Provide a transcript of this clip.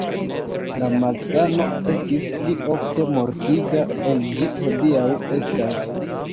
La malsano estis pli ofte mortiga ol ĝi hodiaŭ estas.